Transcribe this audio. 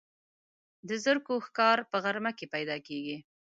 د زرکو ښکار په غره کې پیدا کیږي.